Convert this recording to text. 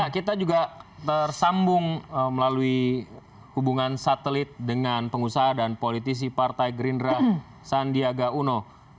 kita juga tersambung melalui hubungan satelit dengan pengusaha dan politisi partai gerindra sandiaga uno